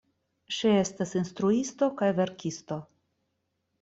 Ŝi estas instruisto kaj verkisto.